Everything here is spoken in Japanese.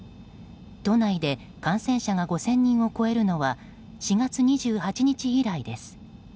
都内で感染者が５０００人を超えるのは４月２８日以来です。